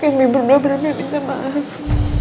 kami berdua bener bener minta maaf